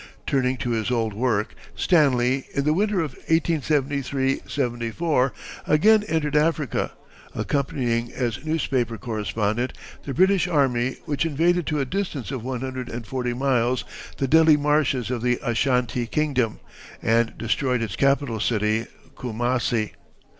Turning to his old work, Stanley, in the winter of 1873 74, again entered Africa, accompanying as newspaper correspondent the British army, which invaded to a distance of one hundred and forty miles the deadly marshes of the Ashantee Kingdom, and destroyed its capital city, Coomassie.